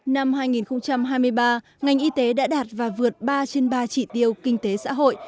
năm hai nghìn hai mươi ba ngành y tế đã đạt và vượt ba trên ba trị tiêu kinh tế xã hội